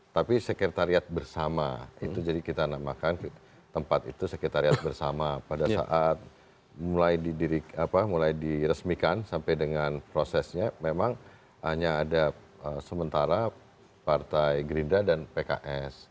tapi sekretariat bersama itu jadi kita namakan tempat itu sekretariat bersama pada saat mulai diresmikan sampai dengan prosesnya memang hanya ada sementara partai gerindra dan pks